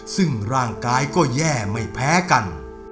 ซึ่งร่างกายก็แย่ไม่แพ้กัน